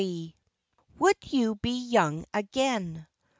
^\^70ULD you be young again?